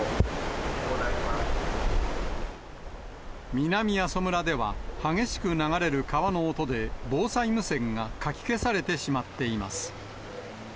南阿蘇村では、激しく流れる川の音で、防災無線がかき消されてしまっています。